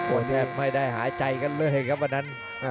วันนี้ไม่ได้หายใจกันเลยครับวันนั้น